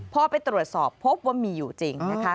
พอไปตรวจสอบพบว่ามีอยู่จริงนะคะ